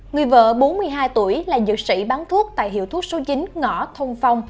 người vợ bốn mươi hai tuổi là dược sĩ bán thuốc tại hiệu thuốc số chín ngõ thông phong